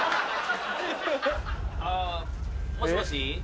・あもしもし？